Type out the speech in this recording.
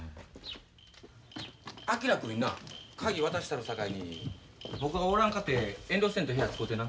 昭君にな鍵渡したあるさかいに僕がおらんかて遠慮せんと部屋使うてな。